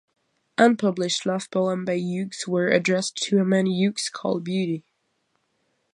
Unpublished love poems by Hughes were addressed to a man Hughes called Beauty.